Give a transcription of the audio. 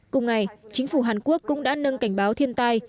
cùng ngày chính phủ hàn quốc cũng đã nâng cảnh báo thiên tai